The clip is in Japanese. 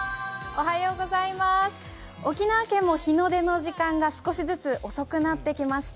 沖縄県も日の出の時間が少しずつ遅くなってきました。